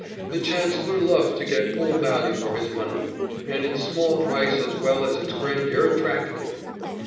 The Chancellor loved to get full value for his money, and its small price as well as its grandeur attracted him.